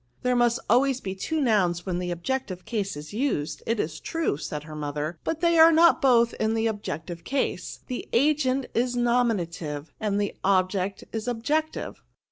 " There must always be two nouns when the objective case is used, it is true," said her mother ;" but they are not both in the objective case ; the agent is nominative, and the object is objective.